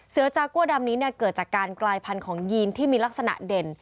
จากัวดำนี้เกิดจากการกลายพันธุ์ของยีนที่มีลักษณะเด่น